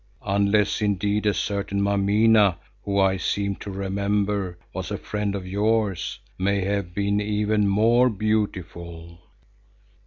Unless indeed a certain Mameena, who, I seem to remember, was a friend of yours, may have been even more beautiful?"